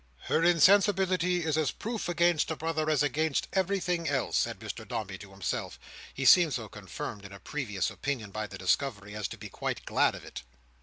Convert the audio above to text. "Her insensibility is as proof against a brother as against every thing else," said Mr Dombey to himself He seemed so confirmed in a previous opinion by the discovery, as to be quite glad of it."